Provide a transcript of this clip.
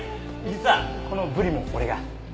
実はこのブリも俺が。